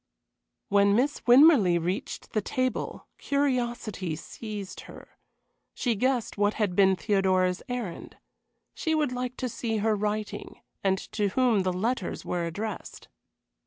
When Miss Winmarleigh reached the table curiosity seized her. She guessed what had been Theodora's errand. She would like to see her writing and to whom the letters were addressed.